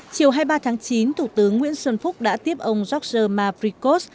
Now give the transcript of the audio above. chiều hai mươi ba tháng chín thủ tướng nguyễn xuân phúc đã tiếp ông george mabricos